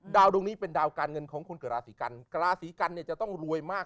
ดวงนี้เป็นดาวการเงินของคนเกิดราศีกันราศีกันเนี่ยจะต้องรวยมาก